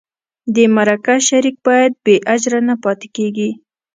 د مرکه شریک باید بې اجره نه پاتې کېږي.